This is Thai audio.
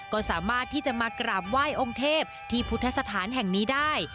ก็สามารถที่จะมากราบไหว้องค์เทพที่พุทธสถานแห่งนี้ได้